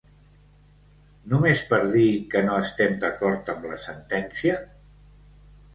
Només per dir que no estem d’acord amb la sentència?